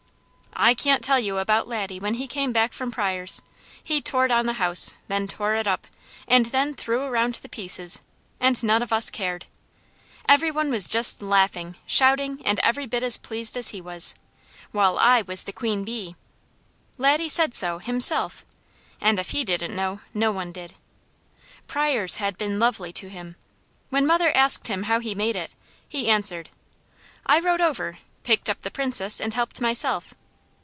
I can't tell you about Laddie when he came back from Pryors'. He tore down the house, then tore it up, and then threw around the pieces, and none of us cared. Every one was just laughing, shouting, and every bit as pleased as he was, while I was the Queen Bee. Laddie said so, himself, and if he didn't know, no one did. Pryors had been lovely to him. When mother asked him how he made it, he answered: "I rode over, picked up the Princess and helped myself.